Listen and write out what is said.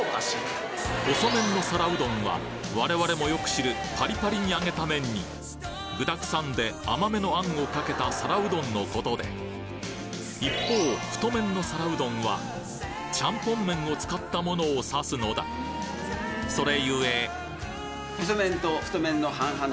細麺の皿うどんは我々もよく知るパリパリに揚げた麺に具だくさんで甘めの餡をかけた皿うどんの事で一方太麺の皿うどんはチャンポン麺を使ったものを指すのだそれ